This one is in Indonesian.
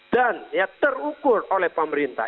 dan terukur oleh pemerintah